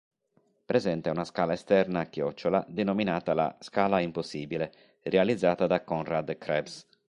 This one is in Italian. Presenta una scala esterna a chiocciola denominata la "scala impossibile" realizzata da Konrad Krebs.